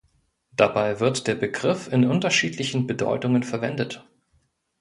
Dabei wird der Begriff in unterschiedlichen Bedeutungen verwendet.